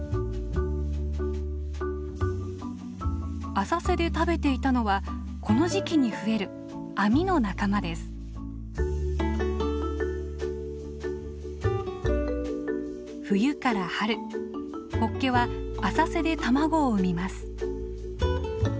浅瀬で食べていたのはこの時期に増える冬から春ホッケは浅瀬で卵を産みます。